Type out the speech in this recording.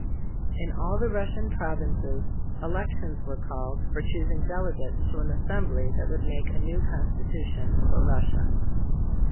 In all the Russian provinces, elections were called for choosing delegates to an assembly that should make a new constitution for Russia.